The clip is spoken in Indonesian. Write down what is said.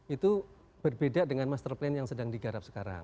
itu berbeda dengan master plan yang sedang digarap sekarang